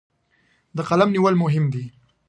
د قلم نیول مهم دي.